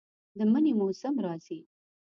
د منی موسم راځي